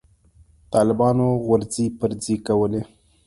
طالبانو غورځې پرځې کولې.